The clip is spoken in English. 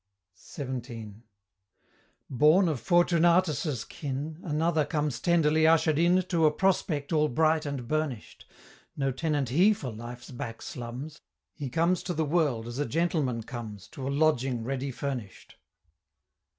XVII. Born of Fortunatus's kin Another comes tenderly ushered in To a prospect all bright and burnish'd: No tenant he for life's back slums He comes to the world, as a gentleman comes To a lodging ready furnish'd.